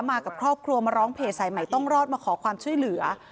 มากับครอบครัวมาร้องเพจสายใหม่ต้องรอดมาขอความช่วยเหลือ